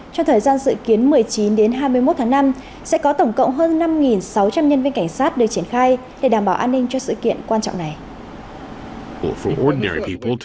trong thời gian dự kiến một mươi chín đến hai mươi một tháng năm sẽ có tổng cộng hơn năm sáu trăm linh nhân viên cảnh sát được triển khai để đảm bảo an ninh cho sự kiện quan trọng này